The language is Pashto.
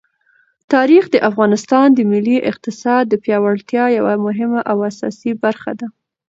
تاریخ د افغانستان د ملي اقتصاد د پیاوړتیا یوه مهمه او اساسي برخه ده.